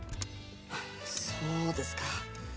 「そうですか」